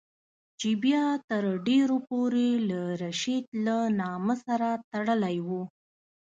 چې بیا تر ډېرو پورې له رشید له نامه سره تړلی وو.